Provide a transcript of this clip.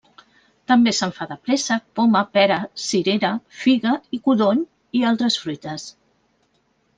També se'n fa de préssec, poma, pera, cirera, figa, i codony i altres fruites.